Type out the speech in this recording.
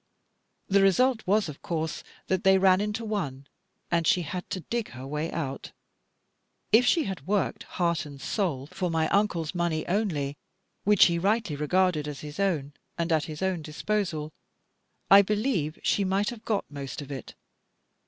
The result was of course that they ran into one, and she had to dig her way out. If she had worked, heart and soul, for my Uncle's money only, which he rightly regarded as his own, and at his own disposal, I believe she might have got most of it.